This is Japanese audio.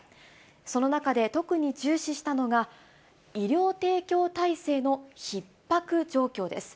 その中で特に重視したのが、医療提供体制のひっ迫状況です。